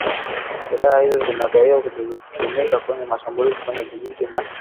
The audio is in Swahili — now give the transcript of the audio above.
Silaha hizo zinadaiwa zilitumika katika mashambulizi kwenye vijiji na